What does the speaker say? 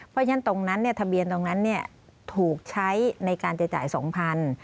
เพราะฉะนั้นตรงนั้นทะเบียนตรงนั้นถูกใช้ในการจะจ่าย๒๐๐บาท